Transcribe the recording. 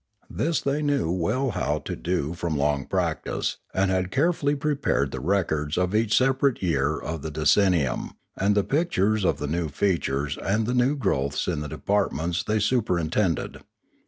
This they knew well how to do from long practice, and had carefully prepared the records of each separate year of the decennium, and the pictures of the new features and new growths in the departments they superin tended.